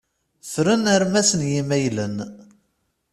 Fern armas n yimaylen.